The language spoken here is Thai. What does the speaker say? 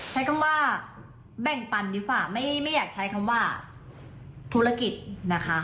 ใช้คำว่าแบ่งปันดีกว่าไม่อยากใช้คำว่าธุรกิจนะคะ